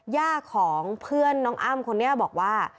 ย่าของเพื่อนน้องอ้ำคนนี้บอกว่า